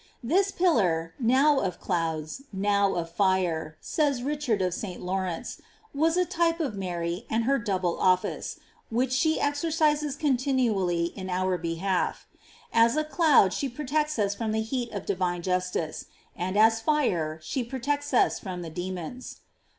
* This pillar, now of clouds, now of fire, says Richard of St. Laurence, was a type of Mary and her double office, which she exercises continually in our be half ; as a cloud she protects us from the heat of divine justice, and as fire she protects us from demons.